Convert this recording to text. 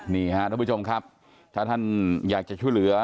นี่ค่ะทุกผู้ชมครับถ้าท่านอยากจะช่วยเหลือ